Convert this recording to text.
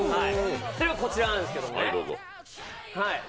こちらなんですけどね。